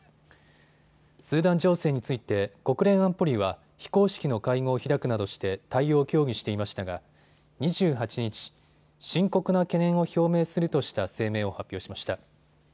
スーダン情勢について国連安保理は非公式の会合を開くなどして対応を協議していましたが２８日、深刻な懸念を表明するとした声明を発表しました。